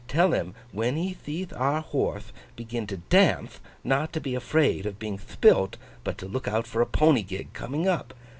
Tell him, when he theeth our horthe begin to danthe, not to be afraid of being thpilt, but to look out for a pony gig coming up.